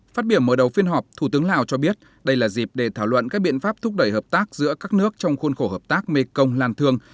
phát biểu mở đầu phiên họp thủ tướng lào cho biết đây là dịp để thảo luận các biện pháp thúc đẩy hợp tác giữa các nước trong khuôn khổ hợp tác mekong lan thương